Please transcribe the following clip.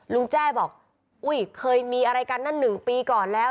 แจ้บอกอุ้ยเคยมีอะไรกันนั่น๑ปีก่อนแล้ว